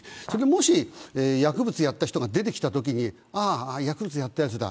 もし薬物をやった人が出てきたときに薬物やったやつだ。